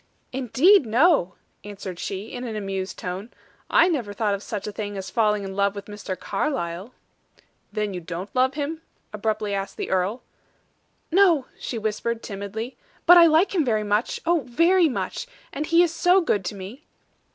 "Indeed, no!" answered she, in an amused tone. "I never thought of such a thing as falling in love with Mr. Carlyle." "Then don't you love him?" abruptly asked the earl. "No!" she whispered, timidly; "but I like him much oh, very much! And he is so good to me!"